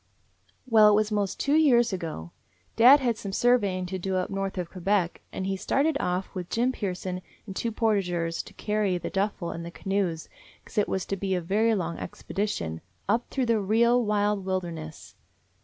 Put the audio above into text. Well, it was 'most two years ago. Dad had some surveying to do up north of Quebec, and he started off with Jim Pearson and two port ageurs to carry the duffel and the canoes, 'cause it was to be a very long expedition, up through the real, wild wilderness.